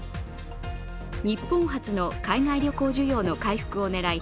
日本発の海外旅行需要の回復を狙い